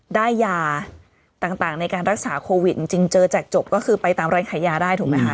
ได้ยาต่างในการรักษาโควิดจริงเจอแจกจบก็คือไปตามร้านขายยาได้ถูกไหมคะ